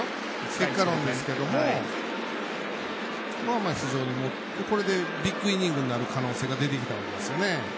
結果論ですけども非常に、これでビッグイニングになる可能性が出てきたんですね。